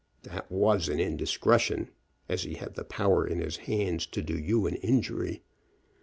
"That was an indiscretion, as he had the power in his hands to do you an injury.